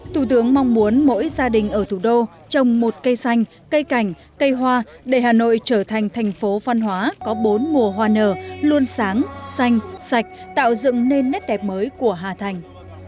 thủ tướng mong muốn mỗi gia đình ở thủ đô trồng một cây xanh cây cảnh cây hoa để hà nội trở thành thành phố văn hóa có bốn mùa hoa nở luôn sáng xanh sạch tạo dựng nên nét đẹp mới của hà thành